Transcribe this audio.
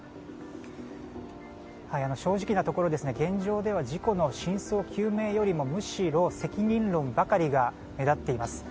正直なところ現状では事故の真相究明よりもむしろ責任論ばかりが目立っています。